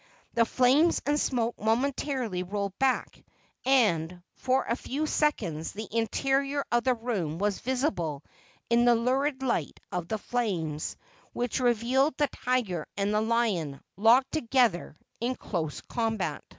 The flames and smoke momentarily rolled back, and for a few seconds the interior of the room was visible in the lurid light of the flames, which revealed the tiger and the lion, locked together in close combat.